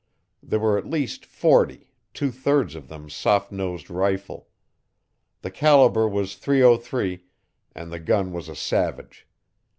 There were at least forty, two thirds of them soft nosed rifle. The caliber was .303 and the gun was a Savage.